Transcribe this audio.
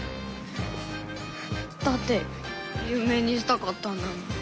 だってゆう名にしたかったんだもん。